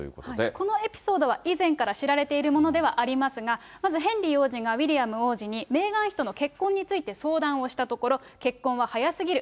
このエピソードは以前から知られているものではありますが、まず、ヘンリー王子がウィリアム王子に、メーガン妃との結婚について相談をしたところ、結婚は早すぎる。